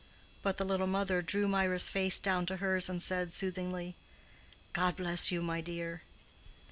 But the little mother drew Mirah's face down to hers, and said, soothingly, "God bless you, my dear."